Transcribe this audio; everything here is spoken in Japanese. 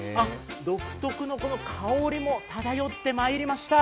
独特の香りも漂ってまいりました。